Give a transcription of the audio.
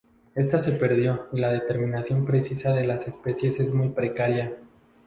Esta se perdió y la determinación precisa de las especies es muy precaria.